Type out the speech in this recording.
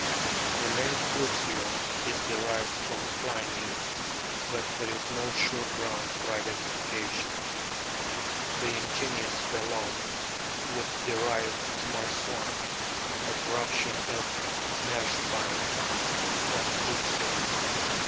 The name tursio is derived from Pliny, but there is no sure ground for identification. The ingenious Belon would derive " Marsouin " (a corruption of " Meerschwein ") from tursio.